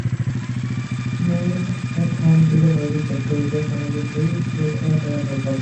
আমি এখন দৃঢ়ভাবে বিশ্বাস করি, যেকোনো কিছু শুরু করাটাই আসল কাজ।